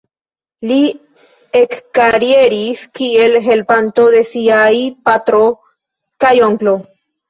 Li ekkarieris kiel helpanto de siaj patro kaj onklo.